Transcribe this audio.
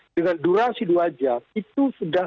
dengan durasi dua jam itu sudah